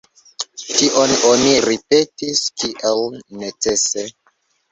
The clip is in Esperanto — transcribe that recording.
Tion oni ripetis kiel necese.